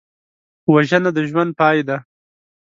وژنه د ژوند پای دی